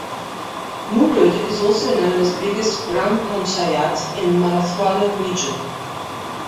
Murud is also known as biggest "Gram Panchayat" in "Marathwada" region.